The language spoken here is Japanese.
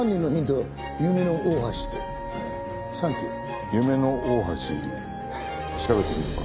夢の大橋調べてみるか。